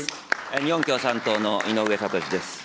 日本共産党の井上哲士です。